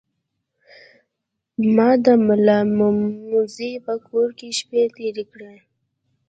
ما د ملامموزي په کور کې شپې تیرې کړې.